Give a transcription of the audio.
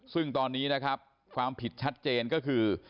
ซึ่งตอนนี้นะครับความผิดชัดเจนก็คือ